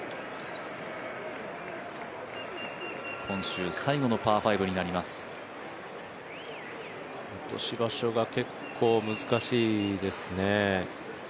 今週最後のパー５になります落とし場所が結構難しいですね。